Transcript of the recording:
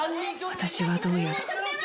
私はどうやら。